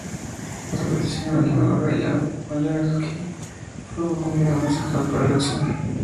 A su petición, el animador Hayao Miyazaki produjo un vídeo musical para la canción.